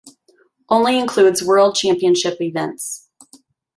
Only includes World Championship events.